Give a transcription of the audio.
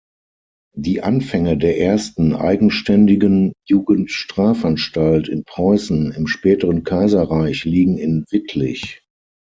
Die Anfänge der ersten eigenständigen Jugendstrafanstalt in Preußen im späten Kaiserreich liegen in Wittlich.